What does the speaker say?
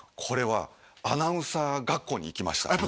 これはアナウンサー学校に行きました